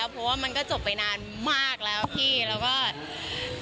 เพราะว่ามันก็จบไปนานมากแล้วพี่แล้วก็